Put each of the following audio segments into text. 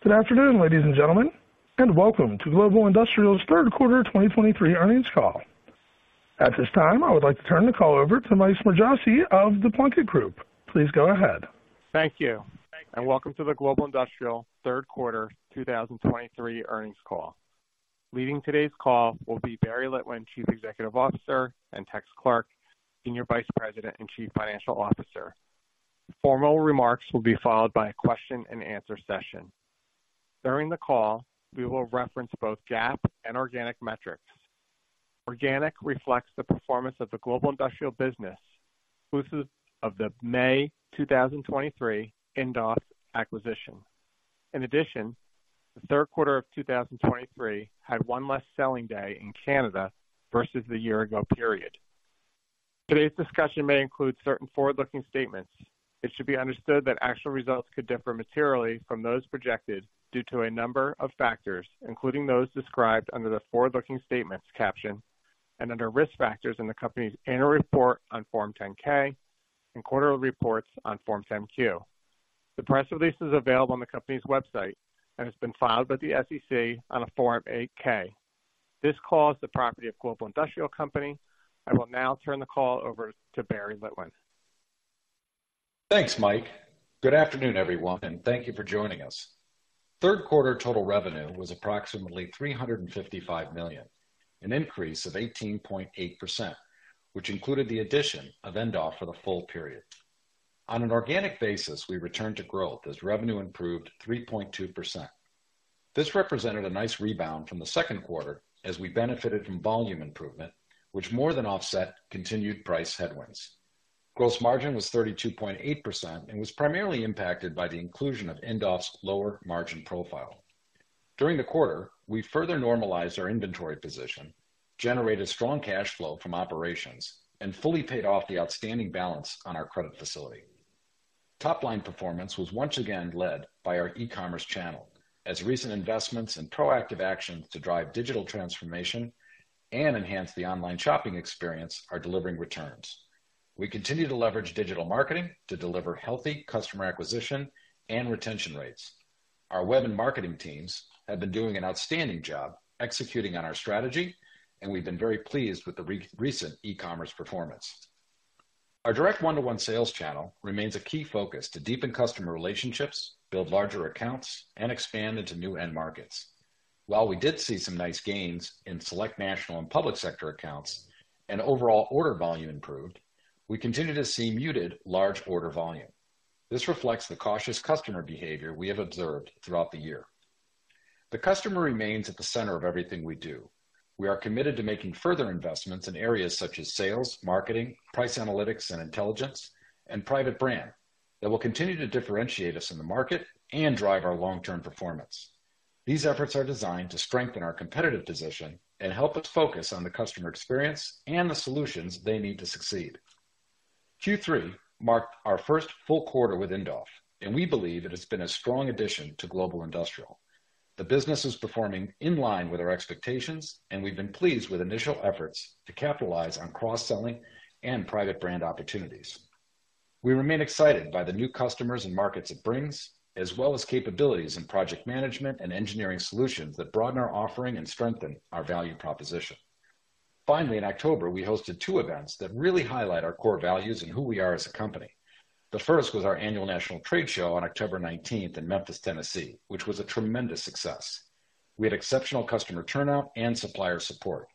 Good afternoon, ladies and gentlemen, and welcome to Global Industrial's Q3 2023 earnings call. At this time, I would like to turn the call over to Mike Smargiassi of The Plunkett Group. Please go ahead. Thank you, and welcome to the Global Industrial Q3 2023 earnings call. Leading today's call will be Barry Litwin, Chief Executive Officer, and Tex Clark, Senior Vice President and Chief Financial Officer. Formal remarks will be followed by a question-and-answer session. During the call, we will reference both GAAP and organic metrics. Organic reflects the performance of the Global Industrial business, exclusive of the May 2023 Indoff acquisition. In addition, the Q3 of 2023 had one less selling day in Canada versus the year ago period. Today's discussion may include certain forward-looking statements. It should be understood that actual results could differ materially from those projected due to a number of factors, including those described under the Forward-Looking Statements caption and under Risk Factors in the company's Annual Report on Form 10-K and Quarterly Reports on Form 10-Q. The press release is available on the company's website and has been filed with the SEC on a Form 8-K. This call is the property of Global Industrial Company. I will now turn the call over to Barry Litwin. Thanks, Mike. Good afternoon, everyone, and thank you for joining us. Q3 total revenue was approximately $355 million, an increase of 18.8%, which included the addition of Indoff for the full period. On an organic basis, we returned to growth as revenue improved 3.2%. This represented a nice rebound from the Q2 as we benefited from volume improvement, which more than offset continued price headwinds. Gross margin was 32.8% and was primarily impacted by the inclusion of Indoff's lower margin profile. During the quarter, we further normalized our inventory position, generated strong cash flow from operations, and fully paid off the outstanding balance on our credit facility. Top-line performance was once again led by our e-commerce channel, as recent investments and proactive actions to drive digital transformation and enhance the online shopping experience are delivering returns. We continue to leverage digital marketing to deliver healthy customer acquisition and retention rates. Our web and marketing teams have been doing an outstanding job executing on our strategy, and we've been very pleased with the recent e-commerce performance. Our direct one-to-one sales channel remains a key focus to deepen customer relationships, build larger accounts, and expand into new end markets. While we did see some nice gains in select national and public sector accounts and overall order volume improved, we continue to see muted large order volume. This reflects the cautious customer behavior we have observed throughout the year. The customer remains at the center of everything we do. We are committed to making further investments in areas such as sales, marketing, price analytics and intelligence, and private brand that will continue to differentiate us in the market and drive our long-term performance. These efforts are designed to strengthen our competitive position and help us focus on the customer experience and the solutions they need to succeed. Q3 marked our first full quarter with Indoff, and we believe it has been a strong addition to Global Industrial. The business is performing in line with our expectations, and we've been pleased with initial efforts to capitalize on cross-selling and private brand opportunities. We remain excited by the new customers and markets it brings, as well as capabilities in project management and engineering solutions that broaden our offering and strengthen our value proposition. Finally, in October, we hosted two events that really highlight our core values and who we are as a company. The first was our annual national trade show on October 19th in Memphis, Tennessee, which was a tremendous success. We had exceptional customer turnout and supplier support.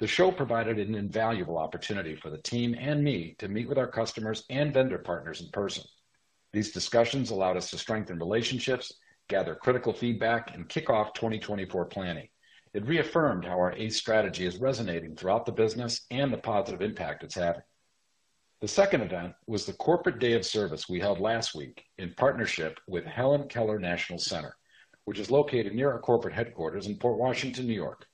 The show provided an invaluable opportunity for the team and me to meet with our customers and vendor partners in person. These discussions allowed us to strengthen relationships, gather critical feedback, and kick off 2024 planning. It reaffirmed how our ACE Strategy is resonating throughout the business and the positive impact it's having. The second event was the Corporate Day of Service we held last week in partnership with Helen Keller National Center, which is located near our corporate headquarters in Port Washington, New York.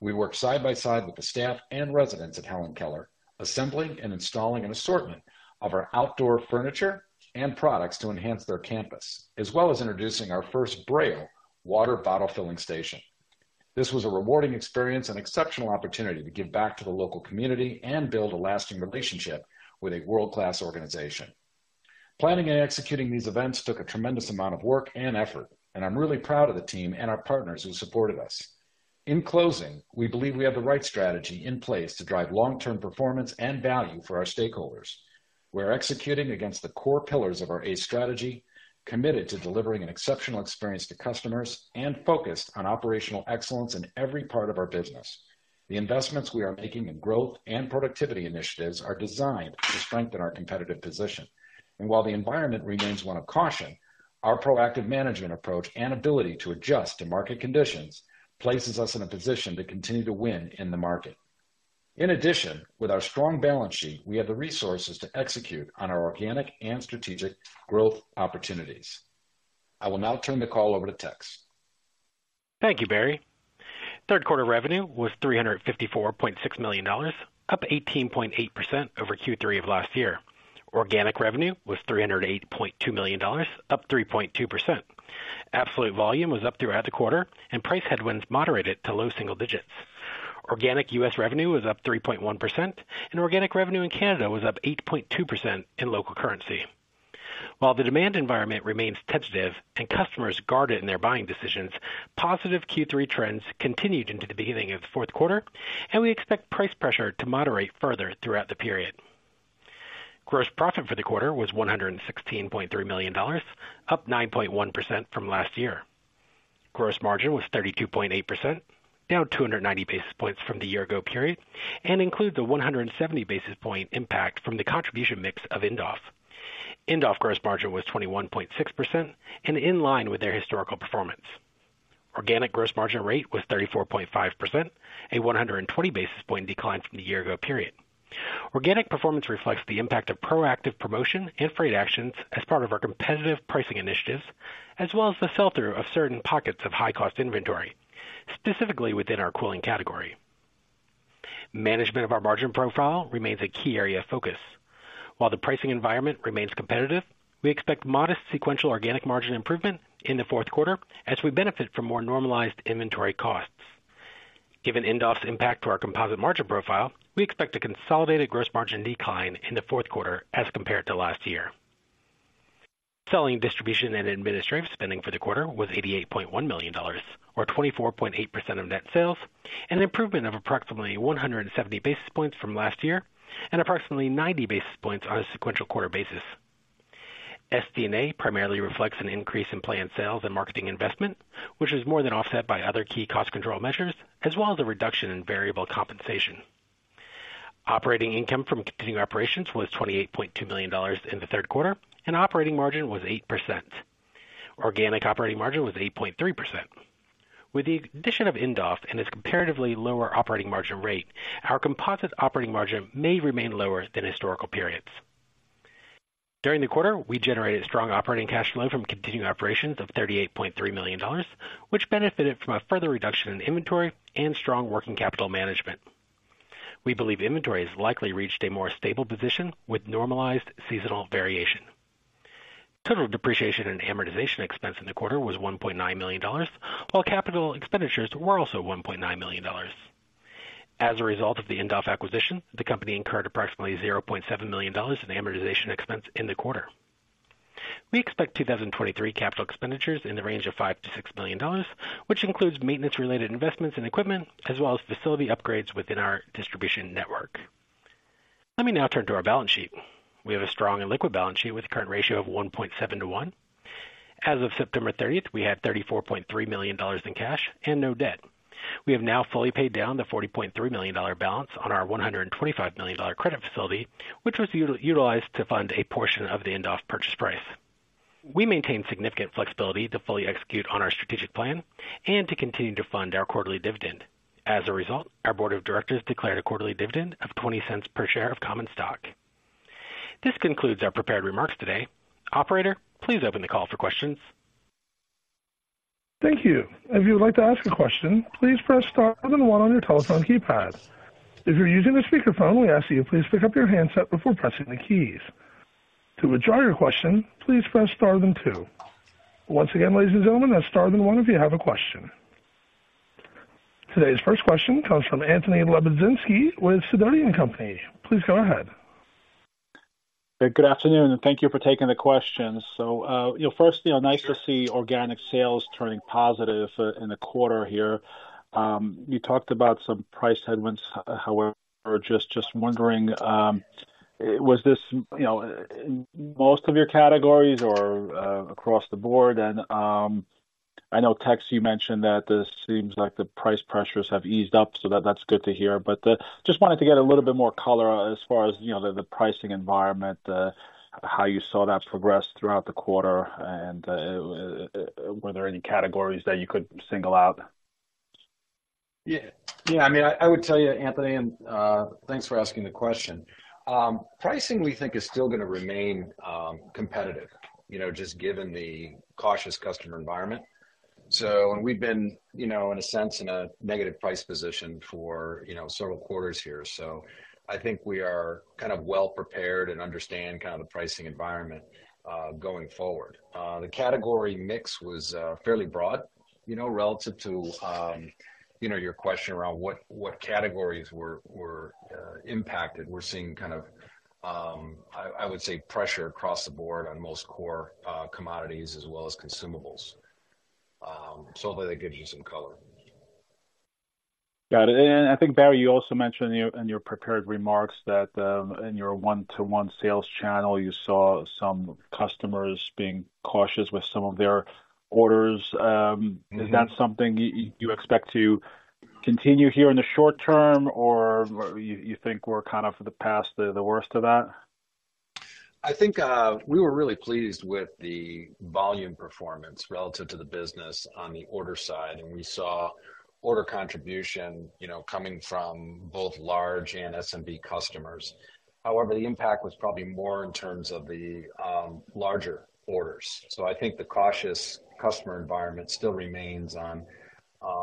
We worked side by side with the staff and residents of Helen Keller, assembling and installing an assortment of our outdoor furniture and products to enhance their campus, as well as introducing our first Braille water bottle filling station. This was a rewarding experience and exceptional opportunity to give back to the local community and build a lasting relationship with a world-class organization. Planning and executing these events took a tremendous amount of work and effort, and I'm really proud of the team and our partners who supported us. In closing, we believe we have the right strategy in place to drive long-term performance and value for our stakeholders. We are executing against the core pillars of our ACE Strategy, committed to delivering an exceptional experience to customers, and focused on operational excellence in every part of our business. The investments we are making in growth and productivity initiatives are designed to strengthen our competitive position. And while the environment remains one of caution, our proactive management approach and ability to adjust to market conditions places us in a position to continue to win in the market. In addition, with our strong balance sheet, we have the resources to execute on our organic and strategic growth opportunities. I will now turn the call over to Tex. Thank you, Barry. Q3 revenue was $354.6 million, up 18.8% over Q3 of last year. Organic revenue was $308.2 million, up 3.2%. Absolute volume was up throughout the quarter and price headwinds moderated to low single digits. ...Organic U.S. revenue was up 3.1%, and organic revenue in Canada was up 8.2% in local currency. While the demand environment remains tentative and customers guarded in their buying decisions, positive Q3 trends continued into the beginning of the Q4, and we expect price pressure to moderate further throughout the period. Gross profit for the quarter was $116.3 million, up 9.1% from last year. Gross margin was 32.8%, down 290 basis points from the year ago period, and includes a 170 basis point impact from the contribution mix of Indoff. Indoff gross margin was 21.6% and in line with their historical performance. Organic gross margin rate was 34.5%, a 120 basis point decline from the year ago period. Organic performance reflects the impact of proactive promotion and freight actions as part of our competitive pricing initiatives, as well as the filter of certain pockets of high-cost inventory, specifically within our cooling category. Management of our margin profile remains a key area of focus. While the pricing environment remains competitive, we expect modest sequential organic margin improvement in the Q4 as we benefit from more normalized inventory costs. Given Indoff's impact to our composite margin profile, we expect a consolidated gross margin decline in the Q4 as compared to last year. Selling, distribution, and administrative spending for the quarter was $88.1 million, or 24.8% of net sales, an improvement of approximately 170 basis points from last year and approximately 90 basis points on a sequential quarter basis. SD&A primarily reflects an increase in planned sales and marketing investment, which is more than offset by other key cost control measures, as well as a reduction in variable compensation. Operating income from continuing operations was $28.2 million in the Q3, and operating margin was 8%. Organic operating margin was 8.3%. With the addition of Indoff and its comparatively lower operating margin rate, our composite operating margin may remain lower than historical periods. During the quarter, we generated strong operating cash flow from continuing operations of $38.3 million, which benefited from a further reduction in inventory and strong working capital management. We believe inventory has likely reached a more stable position with normalized seasonal variation. Total depreciation and amortization expense in the quarter was $1.9 million, while capital expenditures were also $1.9 million. As a result of the Indoff acquisition, the company incurred approximately $0.7 million in amortization expense in the quarter. We expect 2023 capital expenditures in the range of $5-$6 million, which includes maintenance-related investments in equipment as well as facility upgrades within our distribution network. Let me now turn to our balance sheet. We have a strong and liquid balance sheet with a current ratio of 1.7 to 1. As of September 30, we had $34.3 million in cash and no debt. We have now fully paid down the $40.3 million balance on our $125 million credit facility, which was utilized to fund a portion of the Indoff purchase price. We maintain significant flexibility to fully execute on our strategic plan and to continue to fund our quarterly dividend. As a result, our board of directors declared a quarterly dividend of $0.20 per share of common stock. This concludes our prepared remarks today. Operator, please open the call for questions. Thank you. If you would like to ask a question, please press star then one on your telephone keypad. If you're using a speakerphone, we ask that you please pick up your handset before pressing the keys. To withdraw your question, please press star then two. Once again, ladies and gentlemen, that's star then one if you have a question. Today's first question comes from Anthony Lebiedzinski with Sidoti & Company. Please go ahead. Good afternoon, and thank you for taking the questions. So, you know, first, you know, nice to see organic sales turning positive in the quarter here. You talked about some price headwinds, however, just wondering, was this, you know, most of your categories or across the board? And, I know Tex, you mentioned that this seems like the price pressures have eased up, so that's good to hear. But, just wanted to get a little bit more color as far as, you know, the pricing environment, how you saw that progress throughout the quarter, and were there any categories that you could single out? Yeah. Yeah, I mean, I would tell you, Anthony, and, thanks for asking the question. Pricing, we think, is still gonna remain competitive, you know, just given the cautious customer environment. So... And we've been, you know, in a sense, in a negative price position for, you know, several quarters here, so I think we are kind of well prepared and understand kind of the pricing environment going forward. The category mix was fairly broad, you know, relative to, you know, your question around what categories were impacted. We're seeing kind of, I would say, pressure across the board on most core commodities as well as consumables. Hopefully, that gives you some color. Got it. I think, Barry, you also mentioned in your prepared remarks that in your one-to-one sales channel, you saw some customers being cautious with some of their orders. Mm-hmm. Is that something you expect to continue here in the short term, or you think we're kind of past the worst of that? I think, we were really pleased with the volume performance relative to the business on the order side, and we saw order contribution, you know, coming from both large and SMB customers. However, the impact was probably more in terms of the larger orders. So I think the cautious customer environment still remains on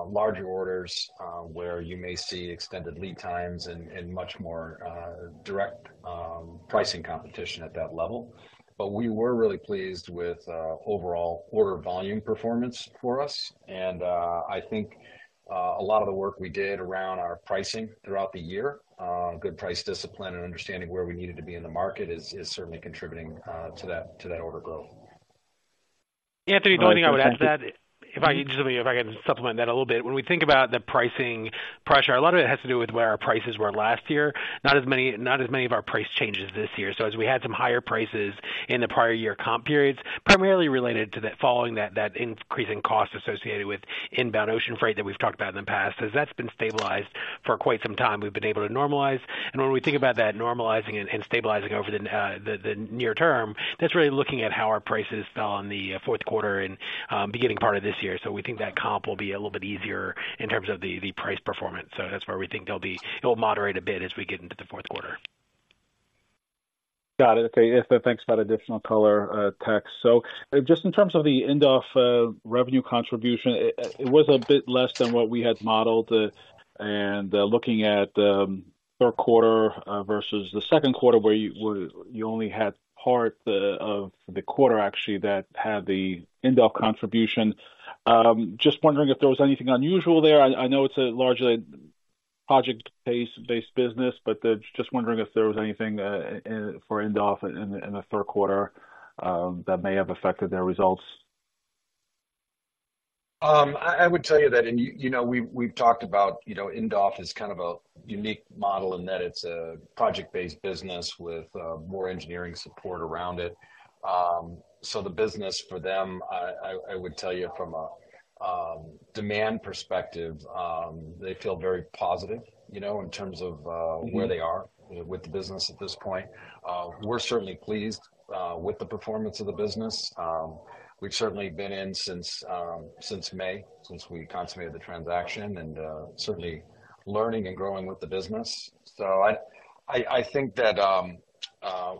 larger orders, where you may see extended lead times and much more direct pricing competition at that level. But we were really pleased with overall order volume performance for us, and I think a lot of the work we did around our pricing throughout the year, good price discipline and understanding where we needed to be in the market is certainly contributing to that order growth.... Anthony, the only thing I would add to that, if I just can supplement that a little bit. When we think about the pricing pressure, a lot of it has to do with where our prices were last year, not as many, not as many of our price changes this year. So as we had some higher prices in the prior year comp periods, primarily related to the following, that, that increasing cost associated with inbound ocean freight that we've talked about in the past. As that's been stabilized for quite some time, we've been able to normalize. And when we think about that normalizing and, and stabilizing over the near term, that's really looking at how our prices fell in the Q4 and beginning part of this year. So we think that comp will be a little bit easier in terms of the price performance. So that's where we think they'll be. It'll moderate a bit as we get into the Q4. Got it. Okay, yeah, thanks for that additional color, Tex. So just in terms of the Indoff revenue contribution, it was a bit less than what we had modeled, and looking at the Q3 versus the Q2, where you only had part of the quarter, actually, that had the Indoff contribution. Just wondering if there was anything unusual there. I know it's a largely project-based business, but just wondering if there was anything in for Indoff in the Q3 that may have affected their results. I would tell you that, and you know, we've talked about, you know, Indoff is kind of a unique model in that it's a project-based business with more engineering support around it. So the business for them, I would tell you from a demand perspective, they feel very positive, you know, in terms of- Mm-hmm. -where they are with the business at this point. We're certainly pleased with the performance of the business. We've certainly been in since May, since we consummated the transaction, and certainly learning and growing with the business. So I think that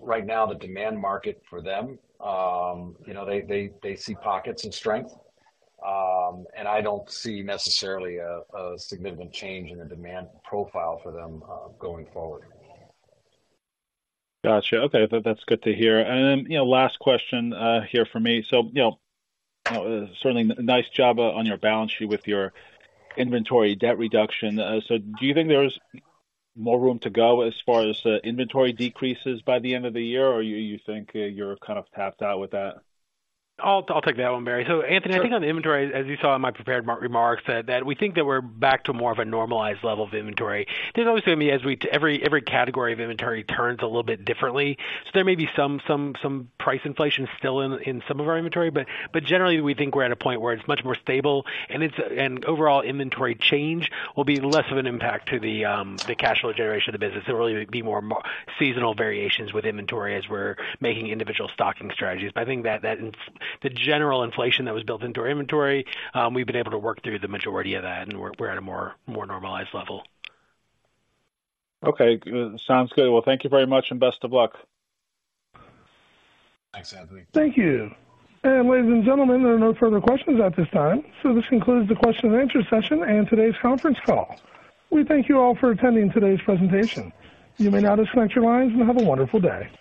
right now, the demand market for them, you know, they see pockets of strength. And I don't see necessarily a significant change in the demand profile for them going forward. Gotcha. Okay, that's good to hear. And then, you know, last question here from me. So, you know, certainly nice job on your balance sheet with your inventory debt reduction. So do you think there's more room to go as far as the inventory decreases by the end of the year, or you think you're kind of tapped out with that? I'll take that one, Barry. So Anthony, I think on the inventory, as you saw in my prepared remarks, that we think that we're back to more of a normalized level of inventory. There's obviously going to be, every category of inventory turns a little bit differently. So there may be some price inflation still in some of our inventory, but generally, we think we're at a point where it's much more stable, and it's. And overall inventory change will be less of an impact to the cash flow generation of the business. It will really be more seasonal variations with inventory as we're making individual stocking strategies. But I think that the general inflation that was built into our inventory, we've been able to work through the majority of that, and we're at a more normalized level. Okay, good. Sounds good. Well, thank you very much, and best of luck. Thanks, Anthony. Thank you. Ladies and gentlemen, there are no further questions at this time, so this concludes the question and answer session and today's conference call. We thank you all for attending today's presentation. You may now disconnect your lines, and have a wonderful day.